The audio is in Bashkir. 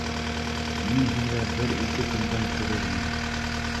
— Мин һеҙгә бер-ике көндән керермен